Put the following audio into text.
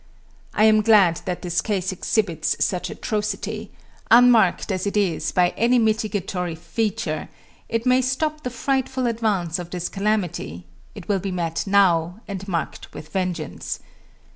I am glad that this case exhibits such atrocity; unmarked as it is by any mitigatory feature, it may stop the frightful advance of this calamity; it will be met now, and marked with vengeance.